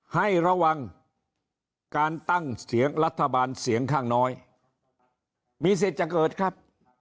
ให้ระวังการตั้งเสียงรัฐบาลเสียงข้างน้อยมีสิทธิ์จะเกิดครับ